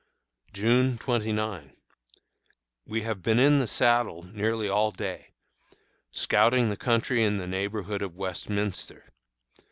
June 29. We have been in the saddle nearly all day, scouting the country in the neighborhood of Westminster.